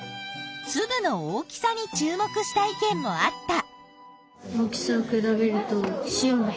つぶの大きさに注目した意見もあった。